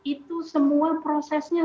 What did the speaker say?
itu semua prosesnya